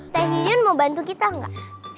teh yun mau bantu kita nggak